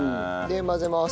混ぜます。